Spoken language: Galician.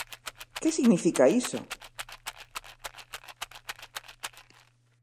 ¿Que significa iso?